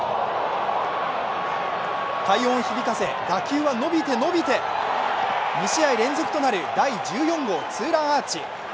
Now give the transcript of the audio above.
快音響かせ、打球は伸びて伸びて２試合連続となる第１４号ツーランアーチ。